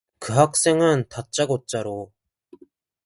그 학생은 다짜고짜로